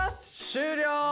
終了！